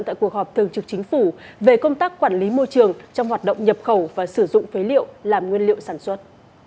tại cuộc họp thường trực chính phủ về công tác quản lý môi trường trong hoạt động nhập khẩu và sử dụng phế liệu làm nguyên liệu sản xuất